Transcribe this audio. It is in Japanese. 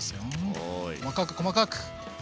細かく細かく！